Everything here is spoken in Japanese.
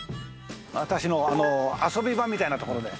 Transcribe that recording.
私の遊び場みたいな所で。